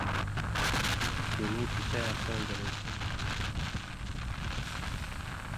مژ چینی تے چایاں پن٘ڑہۡ گلے سمُو بِریائ